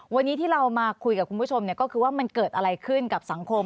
วันนี้ที่เรามาคุยกับคุณผู้ชมก็คือว่ามันเกิดอะไรขึ้นกับสังคม